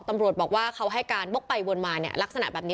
ตำรวจบอกว่าเขาให้การวกไปวนมาเนี่ยลักษณะแบบนี้